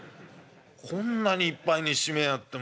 こんなにいっぱいにしちめえやがって。